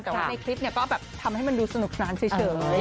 แต่ว่าในคลิปเนี่ยก็แบบทำให้มันดูสนุกสนานเฉย